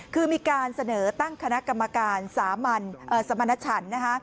คือมีการเสนอตั้งคณะกรรมการสามัญสมณชัน